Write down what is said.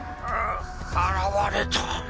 あ現れた。